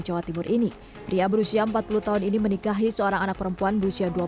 jawa timur ini pria berusia empat puluh tahun ini menikahi seorang anak perempuan berusia